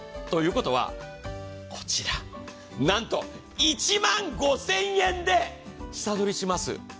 ということはこちら、なんと１万５０００円で下取りします。